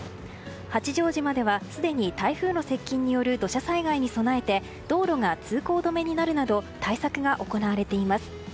八丈島ではすでに台風の接近による土砂災害に備えて道路が通行止めになるなど対策が行われています。